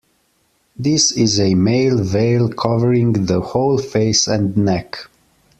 This is a male veil covering the whole face and neck.